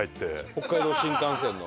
北海道新幹線の。